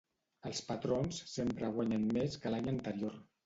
Els patrons sempre guanyen més que l'any anterior.